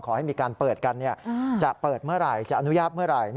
ขอให้มีการเปิดกันจะเปิดเมื่อไหร่จะอนุญาตเมื่อไหร่